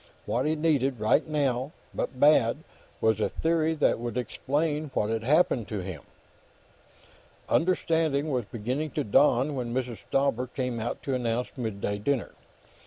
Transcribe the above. What he needed, right now, but bad, was a theory that would explain what had happened to him. Understanding was beginning to dawn when Mrs. Stauber came out to announce midday dinner.